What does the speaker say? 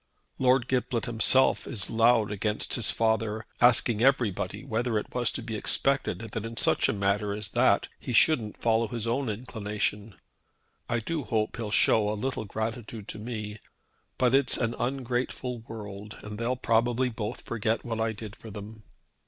Lord Giblet himself is loud against his father, asking everybody whether it was to be expected that in such a matter as that he shouldn't follow his own inclination. I do hope he'll show a little gratitude to me. But it's an ungrateful world, and they'll probably both forget what I did for them.